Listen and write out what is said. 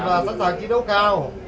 và sẵn sàng chiến đấu cao